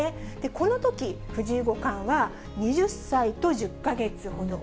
このとき、藤井五冠は２０歳と１０か月ほど。